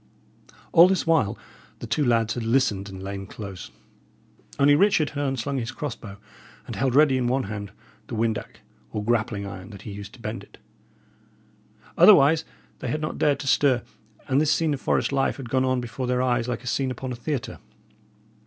All this while the two lads had listened and lain close; only Richard had unslung his cross bow, and held ready in one hand the windac, or grappling iron that he used to bend it. Otherwise they had not dared to stir; and this scene of forest life had gone on before their eyes like a scene upon a theatre.